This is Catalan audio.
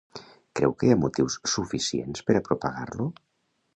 Creu que hi ha motius suficients per a propagar-lo?